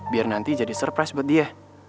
biar nanti jadi surprise buat dia